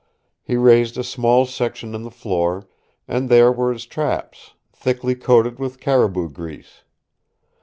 He raised a small section in the floor, and there were his traps, thickly coated with caribou grease.